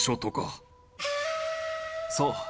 そう。